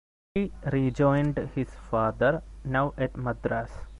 He rejoined his father now at Madras.